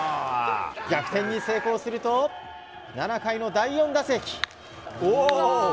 逆転に成功すると７回の第４打席。